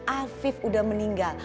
afif udah meninggal